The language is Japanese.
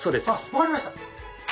わかりました。